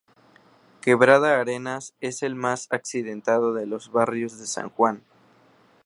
Quebrada Arenas es el más accidentado de los barrios de San Juan.